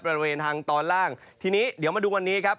บริเวณทางตอนล่างทีนี้เดี๋ยวมาดูวันนี้ครับ